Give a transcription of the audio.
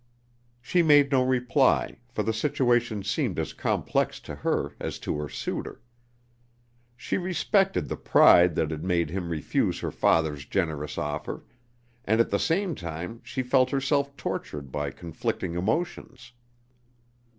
She made no reply, for the situation seemed as complex to her as to her suitor. She respected the pride that had made him refuse her father's generous offer, and at the same time she felt herself tortured by conflicting emotions.